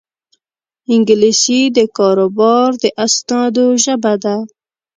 انګلیسي د کاروبار د اسنادو ژبه ده